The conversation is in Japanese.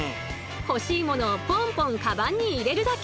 欲しいものをポンポンかばんに入れるだけ。